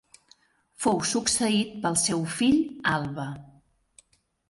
Fou succeït pel seu fill Alba.